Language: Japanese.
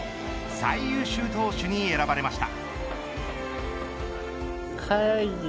最優秀投手に選ばれました。